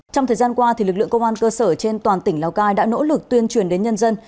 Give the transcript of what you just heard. trong thời gian qua lực lượng công an cơ sở trên toàn tỉnh lào cai đã nỗ lực tuyên truyền đến nhân dân